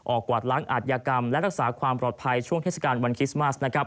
กวาดล้างอาทยากรรมและรักษาความปลอดภัยช่วงเทศกาลวันคริสต์มาสนะครับ